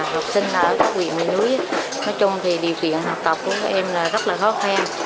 học sinh ở các huyện miền núi nói chung thì điều kiện học tập của các em là rất là khó khăn